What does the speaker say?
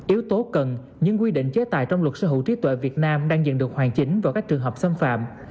yếu tố cần những quy định chế tài trong luật sở hữu trí tuệ việt nam đang dần được hoàn chỉnh vào các trường hợp xâm phạm